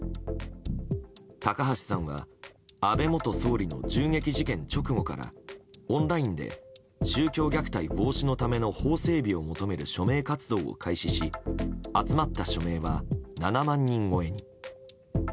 高橋さんは安倍元総理の銃撃事件直後からオンラインで宗教虐待防止のための法整備を求める署名活動を開始し集まった署名は７万人超え。